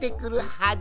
「はず」？